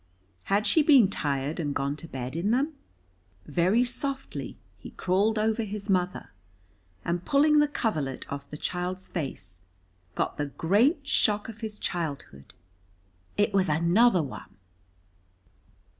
Had she been tired, and gone to bed in them? Very softly he crawled over his mother, and pulling the coverlet off the child's face, got the great shock of his childhood. It was another one!